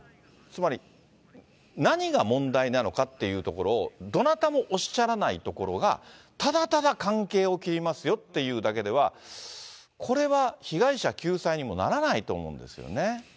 つまり、何が問題なのかっていうところを、どなたもおっしゃらないところが、ただただ関係を切りますよって言うだけでは、これは被害者救済にもならないと思うんですよね。